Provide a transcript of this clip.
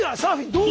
どう？